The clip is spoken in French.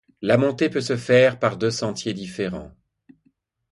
La montée peut se faire par deux sentiers différents.